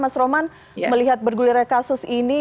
mas roman melihat bergulirnya kasus ini